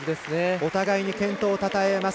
お互いに健闘をたたえ合います。